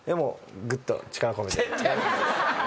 グッと力込めて。